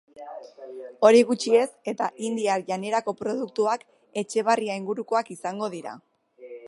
Hori gutxi ez, eta indiar janerako produktuak Etxebarria ingurukoak izango dira.